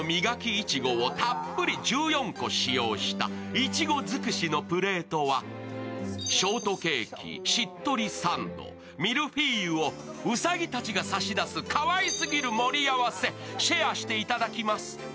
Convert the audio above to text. いちご尽くしのプレートはショートケーキ、しっとりサンドミルフィーユをうさぎたちが差し出すかわいすぎる盛り合わせシェアしていただきます。